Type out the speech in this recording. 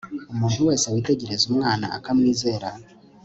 umuntu wese witegereza umwana akamwizera